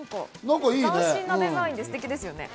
斬新なデザインでステキですよね。